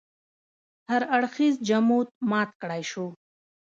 هر اړخیز جمود مات کړای شو.